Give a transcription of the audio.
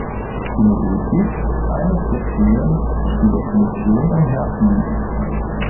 Die Mobilität ist eines der Themen, die der Kommission am Herzen liegen.